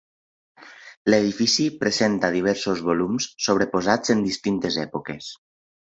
L'edifici presenta diversos volums sobreposats en distintes èpoques.